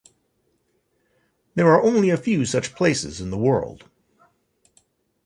There are only a few such places in the world.